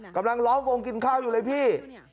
ล้อมวงกินข้าวอยู่เลยพี่